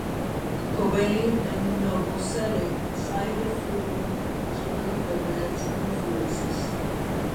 Cobain and Novoselic cited Flipper as one of their band's influences.